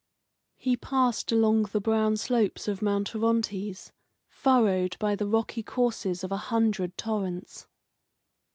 He passed along the brown slopes of Mount Orontes, furrowed by the rocky courses of a hundred torrents.